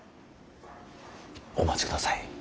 お待ちください。